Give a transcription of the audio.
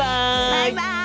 バイバイ！